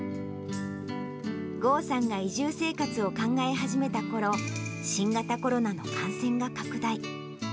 豪さんが移住生活を考え始めたころ、新型コロナの感染が拡大。